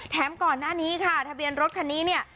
ก่อนหน้านี้ค่ะทะเบียนรถคันนี้เนี่ย